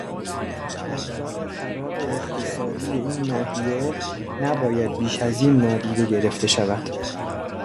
اوضاع خراب اقتصادی این ناحیه نباید بیش ازاین نادیده گرفته شود.